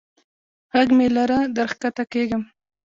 ږغ مه لره در کښته کیږم.